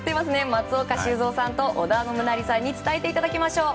松岡修造さんと織田信成さんに伝えていただきましょう。